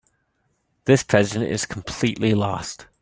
This president is completely lost.